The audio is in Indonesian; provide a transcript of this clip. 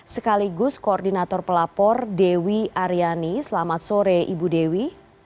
sekaligus koordinator pelapor dewi aryani selamat sore ibu dewi